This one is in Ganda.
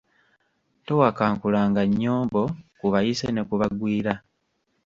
Towakankulanga nnyombo ku bayise ne ku bagwira.